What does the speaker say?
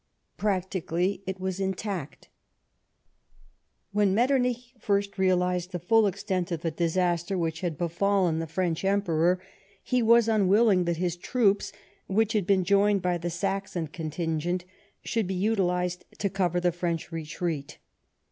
Practically, it was intact. AYlien Mctternich first realised the full extent of the disaster which had befallen the French Emperor, he was unwilling that this corps, which had been joined by the Saxon contingent, should be utilised to cover the French retreat.